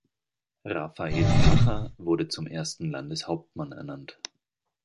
Raphael Pacher wurde zum ersten Landeshauptmann ernannt.